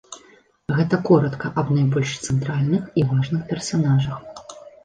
Гэта коратка аб найбольш цэнтральных і важных персанажах.